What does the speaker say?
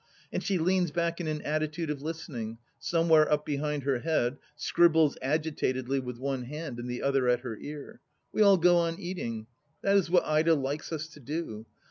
And she leans back in an attitude of listening, somewhere up behind her head, scribbles agitatedly with one hand and the other at her ear. We all go on eating. That is what Ida likes us to do.